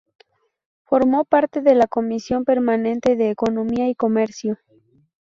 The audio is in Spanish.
Formó parte de la comisión permanente de Economía y Comercio.